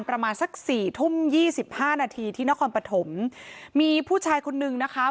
ประมาณสักสี่ทุ่มยี่สิบห้านาทีที่นครปฐมมีผู้ชายคนนึงนะคะ